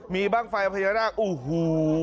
มีบ้างไฟพญานาคโอ้โห